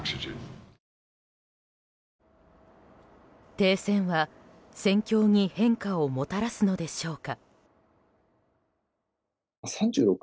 停戦は戦況に変化をもたらすのでしょうか。